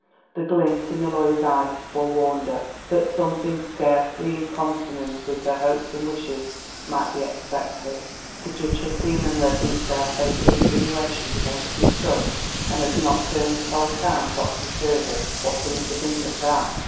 The glint in the lawyer's eye forewarned her that something scarcely in consonance with her hopes and wishes might be expected. "The judge has seen and read these barefaced insinuations against his son and has not turned this whole town topsy turvy! What are we to think of that?